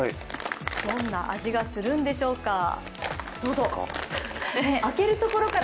どんな味がするんでしょうか？